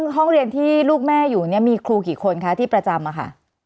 ห้องเรียนที่ลูกแม่อยู่มีครูกี่คนที่ประจำค่ะ